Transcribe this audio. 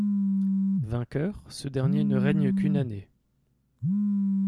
Vainqueur, ce dernier ne règne qu'une année.